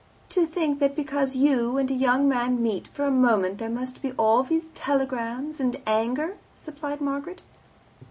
"To think that because you and a young man meet for a moment, there must be all these telegrams and anger," supplied Margaret.